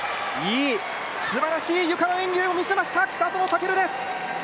すばらしいゆかの演技を見せました、北園丈琉です。